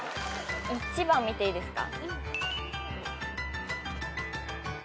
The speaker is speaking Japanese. １番見ていいですか？